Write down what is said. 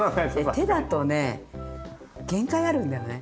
手だとね限界があるんだよね